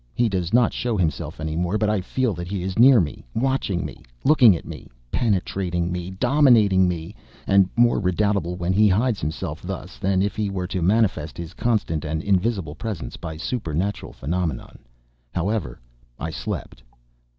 He does not show himself any more, but I feel that he is near me, watching me, looking at me, penetrating me, dominating me, and more redoubtable when he hides himself thus than if he were to manifest his constant and invisible presence by supernatural phenomena. However, I slept.